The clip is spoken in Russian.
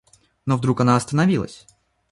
Но вдруг она остановилась.